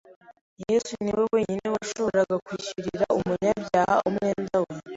Yesu ni we wenyine washoboraga kwishyurira umunyabyaha umwenda we